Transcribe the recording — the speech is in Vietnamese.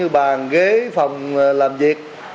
bàn ghế phòng làm việc